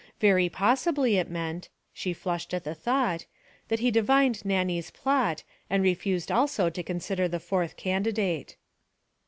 Very possibly it meant she flushed at the thought that he divined Nannie's plot, and refused also to consider the fourth candidate.